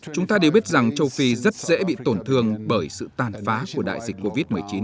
chúng ta đều biết rằng châu phi rất dễ bị tổn thương bởi sự tàn phá của đại dịch covid một mươi chín